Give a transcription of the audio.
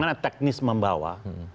membawa bagaimana teknis membawa